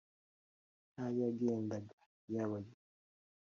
nka yagendaga nyabayombe.